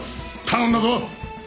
頼んだぞ！